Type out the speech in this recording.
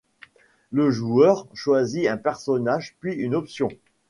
Le joueur choisit un personnage puis une option.